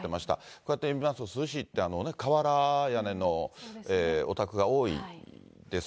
こうやって見ますと、珠洲市って瓦屋根のお宅が多いんです。